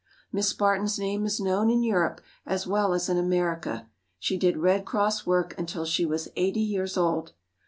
Miss Barton's name is known in Europe as well as in America. She did Red Cross work until she was eighty years old.